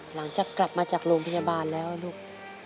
หลังจากกลับมาจากโรงพยาบาลแล้วลูก